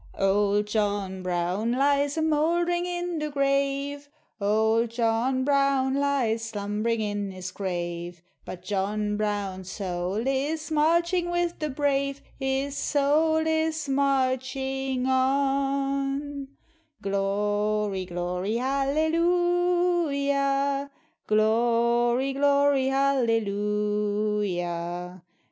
OLD John Brown lies a mouldering in the grave, Old John Brown lies slumbering in his grave â But John Brown's soul is marching with the brave, His soul is marching on> Glory, glory, hallelujah ! Glory, glory, hallelujah